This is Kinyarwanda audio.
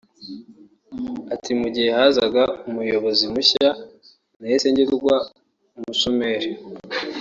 Ati “mu gihe hazaga umuyobozi mushya nahise ngirwa umushomeri